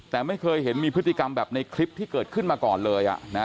แต่ไม่เคยเห็นมีพฤติกรรมแบบในคลิปที่เกิดขึ้นมาก่อนเลย